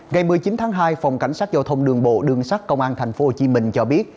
ngày một mươi chín tháng hai phòng cảnh sát giao thông đường bộ đường sát công an tp hcm cho biết